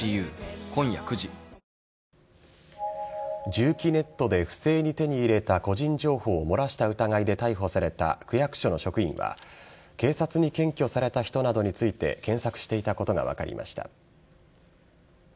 住基ネットで不正に手に入れた個人情報を漏らした疑いで逮捕された区役所の職員は、警察に検挙された人などについて検索していたことが分かりました。